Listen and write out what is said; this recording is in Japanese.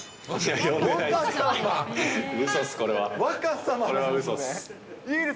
若様です。